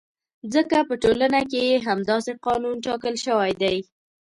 ځکه په ټولنه کې یې همداسې قانون ټاکل شوی دی.